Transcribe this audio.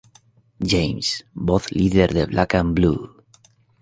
James, voz líder de Black N' Blue.